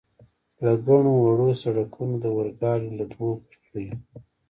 له ګڼو وړو سړکونو، د اورګاډي له دوو پټلیو.